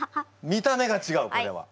見た目がちがうこれは。